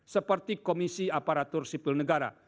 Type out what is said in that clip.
seperti komisi aparatur sipil negara